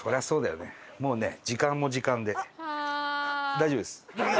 大丈夫です。